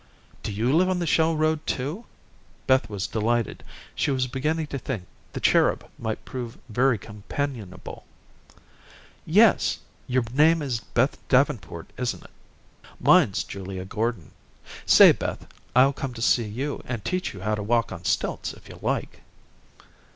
"Do you live on the shell road, too?" Beth was delighted. She was beginning to think the "Cherub" might prove very companionable. "Yes. Your name is Beth Davenport, isn't it? Mine's Julia Gordon. Say, Beth, I'll come to see you and teach you how to walk on stilts if you like."